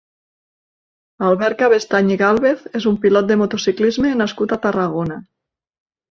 Albert Cabestany i Gálvez és un pilot de motociclisme nascut a Tarragona.